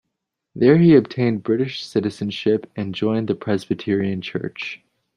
There he obtained British citizenship and joined the Presbyterian church.